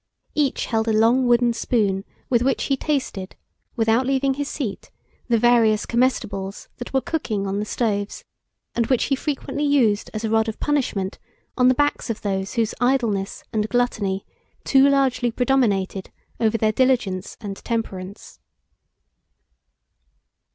Each held a long wooden spoon, with which he tasted, without leaving his seat, the various comestibles that were cooking on the stoves, and which he frequently used as a rod of punishment on the backs of those whose idleness and gluttony too largely predominated over their diligence and temperance.